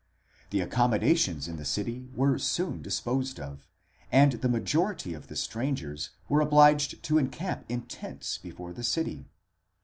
the accommodations in the city were soon disposed of, and the majority of the strangers were obliged to encamp in tents before the city.